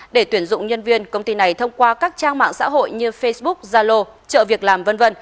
để tuyển dụng nhân viên công ty này thông qua các trang mạng xã hội như facebook zalo trợ việc làm v v